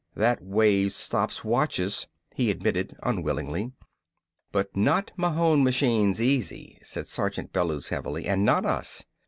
"That wave stops watches," he admitted unwillingly. "But not Mahon machines easy," said Sergeant Bellews heavily, "and not us.